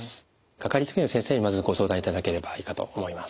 かかりつけ医の先生にまずご相談いただければいいかと思います。